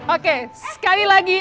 oke sekali lagi